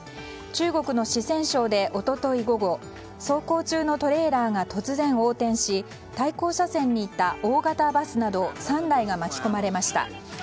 中国の四川省で一昨日午後走行中のトレーラーが突然横転し対向車線にいた大型バスなど３台が巻き込まれました。